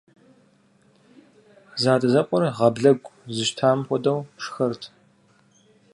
Зэадэзэкъуэр гъаблэгу зыщтам хуэдэу шхэрт.